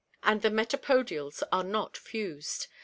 and the metapodials are not fused.